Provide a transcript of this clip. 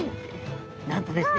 なんとですね